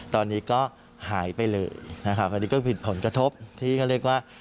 ตอนนี้ก็หายไปเลยนะครับอันนี้ก็ผิดผลกระทบที่เขาเรียกว่า